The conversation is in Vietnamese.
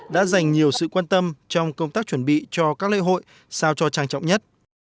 đã dành nhiều sự quan tâm trong công tác chuẩn bị cho các lễ hội sao cho trang trọng nhất